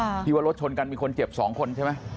ที่ว่ารถชนกันมีคนเจ็บสองคนใช่ไหม